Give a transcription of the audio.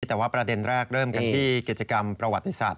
เพียงแต่ว่าประเด็นแรกเริ่มกันที่เกียรติกรรมประวัติศาสตร์